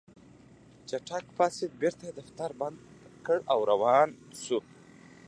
چټک پاڅېد بېرته يې دفتر بند کړ او روان شو.